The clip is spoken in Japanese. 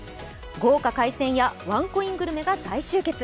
豪華海鮮やワンコイングルメが大集結。